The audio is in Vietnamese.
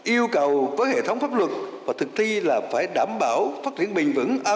yêu cầu với hệ thống pháp luật và thực thi là phải đảm bảo phát triển bình vững